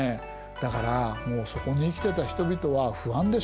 だからもうそこに生きていた人々は不安でしょうがない。